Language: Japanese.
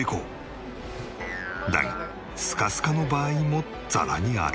だがスカスカの場合もざらにある。